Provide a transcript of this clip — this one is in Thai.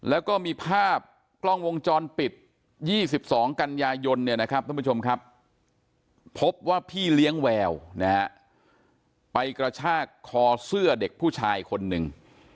แล้วก็มีภาพกล้องวงจรปิด๒๒กัญญายนพบว่าพี่เลี้ยงแววไปกระชากคอเสื้อเด็กผู้ชายคนหนึ่ง